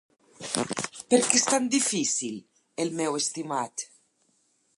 Per què és tan difícil, el meu estimat?